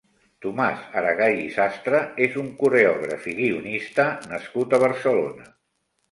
Tomàs Aragay i Sastre és un coreògraf i guionista nascut a Barcelona.